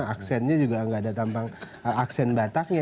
aksennya juga nggak ada tampang aksen bataknya